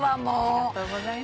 ありがとうございます。